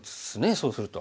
そうすると。